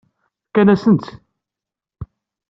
Fkan-asen-tt?